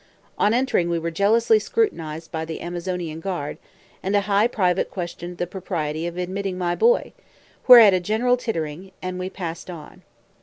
On entering we were jealously scrutinized by the Amazonian guard, and a "high private" questioned the propriety of admitting my boy; whereat a general tittering, and we passed on.